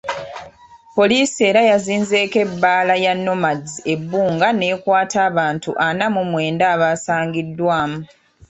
Poliisi era yazinzeeko ebbaala ya Nomads e Bbunga n'ekwata abantu ana mu mwenda abasangiddwamu.